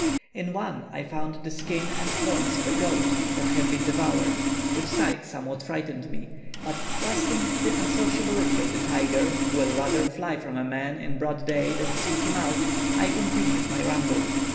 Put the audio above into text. In one I found the skin and horns of a goat that had been devoured, which sight somewhat frightened me; but trusting to the unsociability of the tiger, who will rather fly from a man in broad day than seek him out, I continued my ramble.